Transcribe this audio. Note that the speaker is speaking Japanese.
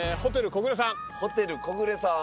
ホテル木暮さん。